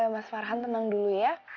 mas farhan tenang dulu ya